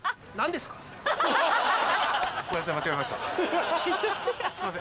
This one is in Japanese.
すいません。